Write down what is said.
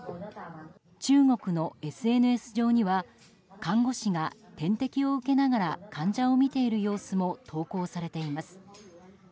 中国のＳＮＳ上には看護師が、点滴を受けながら患者を診ている様子も投稿されています。